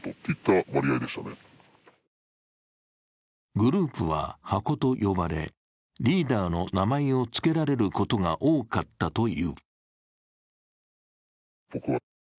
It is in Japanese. グループは箱と呼ばれ、リーダーの名前をつけられることが多かったという。